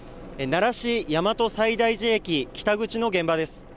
奈良市、大和西大寺駅北口の現場です。